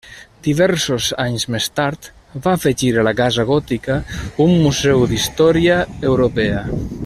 Diversos anys més tard, va afegir-hi la casa Gòtica, un museu d'història europea.